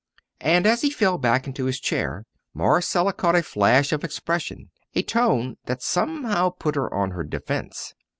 And as he fell back into his chair, Marcella caught a flash of expression, a tone that somehow put her on her defence.